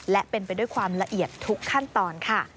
และเป็นไปด้วยความละเอียดทุกขั้นตอนค่ะ